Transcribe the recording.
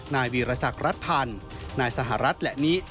นายวีรศักดิ์รัฐพันธ์นายสหรัฐและนิ